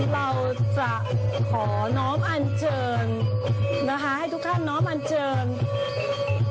เราจะขอน้อมอันเชิญนะคะให้ทุกท่านน้อมอันเชิญ